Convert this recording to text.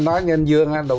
nói như anh dương